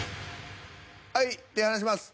はい手離します。